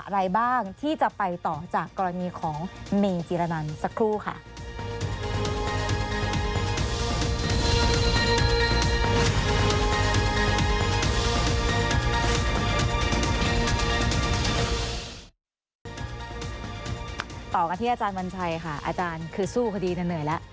ต่อกันที่อาจารย์บัญชัยค่ะอาจารย์คือสู้คดีเหนื่อยแล้ว